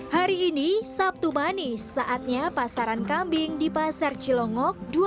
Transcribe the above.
hari ini sabtu manis saatnya pasaran kambing di pasar cilongok